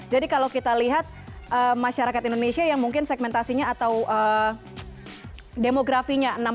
jadi kalau kita lihat masyarakat indonesia yang mungkin segmentasinya atau demografinya